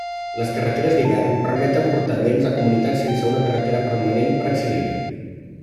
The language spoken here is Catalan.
Les carreteres d'hivern permeten portar béns a comunitats sense una carretera permanent per accedir-hi.